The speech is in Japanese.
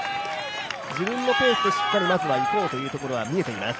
自分のペースでしっかり行こうというところは見えています。